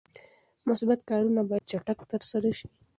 مثبت کارونه باید چټک ترسره شي.